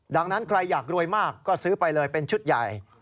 ดังนั้นใครอยากรวยมากก็ซื้อไปเลยเป็นชุดใหญ่